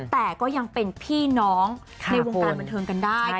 แต่ก็ยังเป็นพี่น้องในวงการบันเทิงกันได้